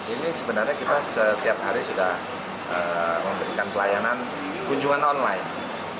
ini sebenarnya kita setiap hari sudah memberikan pelayanan kunjungan online